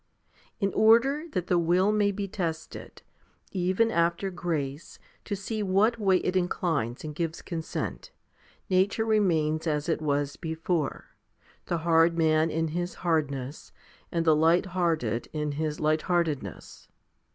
In order that the will may be tested, even after grace, to see what way it inclines and gives consent, nature remains as it was before, the hard man in his hardness, and the light hearted in his light heartedness.